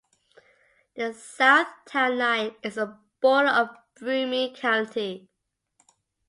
The south town line is the border of Broome County.